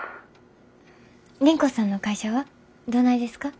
倫子さんの会社はどないですか？